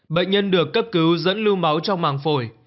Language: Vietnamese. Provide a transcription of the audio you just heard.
bệnh nhân được cấp cứu dẫn lưu máu trong màng phổi